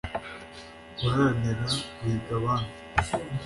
guharanira guhiga abandi